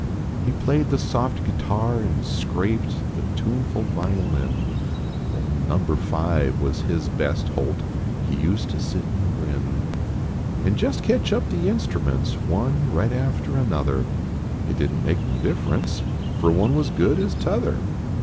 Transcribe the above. He played the soft guitar an scraped The tuneful violin ; Old " number five " was his best holt. He used to sit and grin. An jest ketch up the instruments One right after another ; It didn t make no difference, For one was good as t other.